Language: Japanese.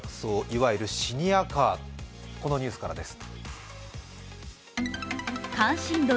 いわゆるシニアカー、このニュースからです。